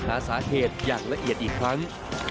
หาสาเหตุอย่างละเอียดอีกครั้ง